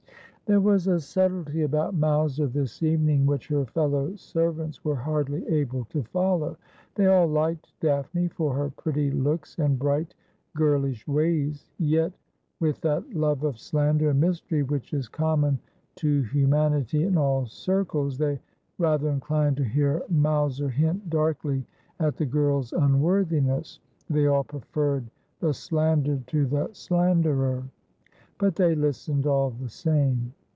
There was a subtlety about Mowser this evening which her fellow servants were hardly able to follow. They all liked Daphne, for her pretty looks and bright girlish ways, yet, with that love of slander and mystery which is common to humanity in all circles, they rather inclined to hear Mowser hint darkly at the girl's unworthiness. They all preferred the slandered to the slanderer ; but they listened all the same.